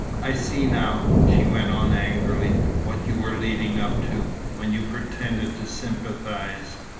"I see now," she went on angrily, "what you were leading up to, when you pretended to sympathize.